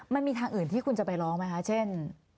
มันมีทางอื่นที่คุณจะไปร้องไหมคะเช่น